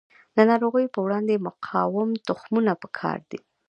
د ناروغیو په وړاندې مقاوم تخمونه پکار دي.